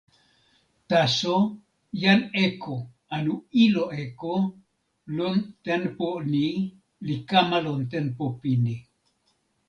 taso jan Eko anu ilo Eko lon tenpo ni li kama lon tenpo pini.